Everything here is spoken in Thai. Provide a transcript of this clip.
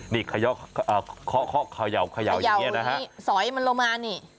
นี่ขย่าวขย่าวอย่างเงี้ยนะฮะสอยมันลงมานี่